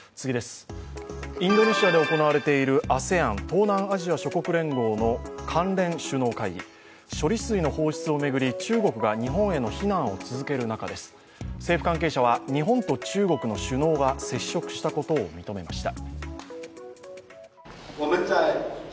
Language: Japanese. インドネシアで行われているＡＳＥＡＮ＝東南アジア諸国連合の関連首脳会議、処理水の放出を巡り、中国が日本への非難を続ける中、政府関係者は日本と中国の首脳が接触したことを認めました。